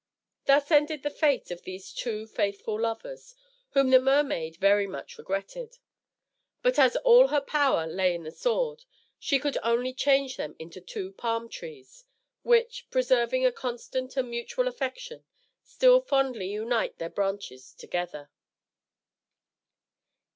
Thus ended the fate of these two faithful lovers, whom the mermaid very much regretted; but as all her power lay in the sword, she could only change them into two palm trees, which, preserving a constant and mutual affection, still fondly unite their branches together.